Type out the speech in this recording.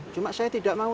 cuma saya tidak mau